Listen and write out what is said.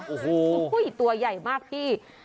โอ้โหตัวใหญ่มากพี่